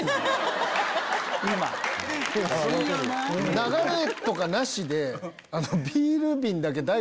流れとかなしで。